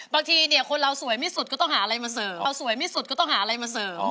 บางทีคนเราสวยไม่สุดก็ต้องหาอะไรมาเสริม